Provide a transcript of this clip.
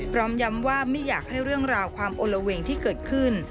พร้อมย้ำว่าไม่อยากให้เรื่องราวความโอละเวงที่เกิดขึ้น